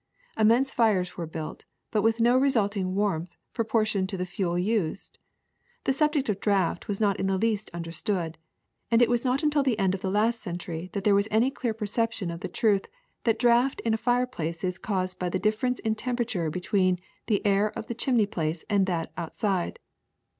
Immense fires were built, but with no resulting warmth proportioned to the fuel used. The subject of draft was not in the least un derstood, and it was not until the end of the last century that there was any clekr perception of the truth that draft in a fireplace is caused by the dif ference in temperature between the air of the chim ney place and that outside.